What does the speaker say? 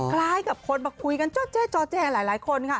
คล้ายกับคนมาคุยกันจอแจ้หลายคนค่ะ